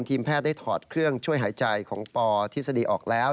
แพทย์ได้ถอดเครื่องช่วยหายใจของปทฤษฎีออกแล้ว